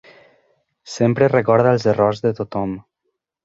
Sempre recorda els errors de tothom.